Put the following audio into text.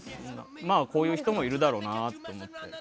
こういう人もいるだろうなって思って。